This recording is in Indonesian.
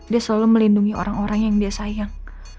dia selalu melindungi orang orang yang dia sayang